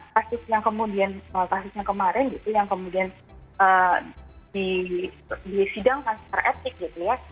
karena kasusnya kemarin gitu yang kemudian disidangkan secara etik gitu ya